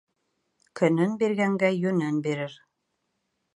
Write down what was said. Көнөн биргәнгә йүнен бирер.